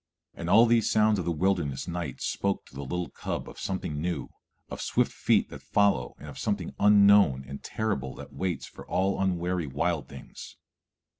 And all these sounds of the wilderness night spoke to the little cub of some new thing, of swift feet that follow and of something unknown and terrible that waits for all unwary wild things.